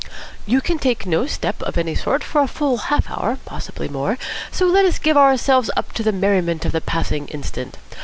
You can take no step of any sort for a full half hour, possibly more, so let us give ourselves up to the merriment of the passing instant.